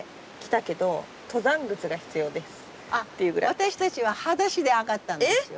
私たちははだしで上がったんですよ。